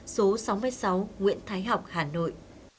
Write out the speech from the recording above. số sáu mươi sáu nguyễn thái học hà nội